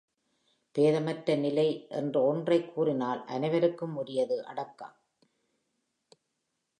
பேதமற்ற நிலை என்ற ஒன்றைக் கூறினால் அனைவருக்கும் உரியது அடக்கம்.